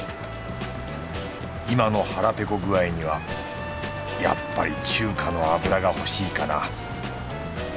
今の腹ぺこ具合にはやっぱり中華の油が欲しいかな。